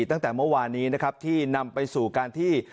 ตั้งแต่เมื่อวานนี้นะครับที่นำไปสู่การที่